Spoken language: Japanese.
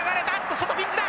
外ピンチだ！